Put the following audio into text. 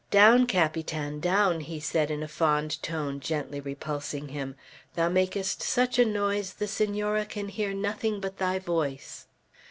"Down, Capitan, down!" he said in a fond tone, gently repulsing him; "thou makest such a noise the Senora can hear nothing but thy voice."